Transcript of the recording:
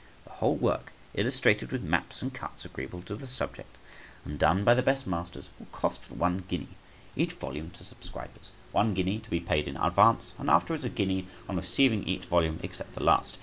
The whole work, illustrated with maps and cuts agreeable to the subject, and done by the best masters, will cost but one guinea each volume to subscribers, one guinea to be paid in advance, and afterwards a guinea on receiving each volume, except the last.